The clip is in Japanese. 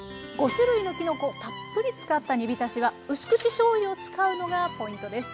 ５種類のきのこたっぷり使った煮びたしはうす口しょうゆを使うのがポイントです。